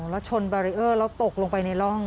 แล้วชนแบรีเออร์แล้วตกลงไปในร่อง